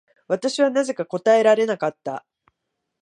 私はなぜか答えられなかった。